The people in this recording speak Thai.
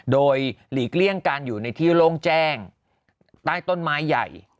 โดยหลีกเลี่ยงการอยู่ในที่โล่งแจ้งใต้ต้นไม้ใหญ่